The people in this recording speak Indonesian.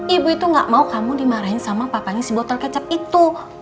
ibu itu gak mau kamu dimarahin sama papanya si botol kecap itu